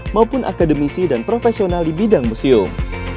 maupun akademisi dan profesional di bidang museum